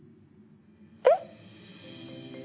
えっ？